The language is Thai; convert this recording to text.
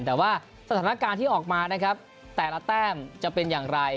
แต่ว่าสถานการณ์ที่ออกมานะครับแต่ละแต้มจะเป็นอย่างไร